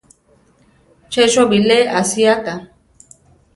Che cho bilé asiáka.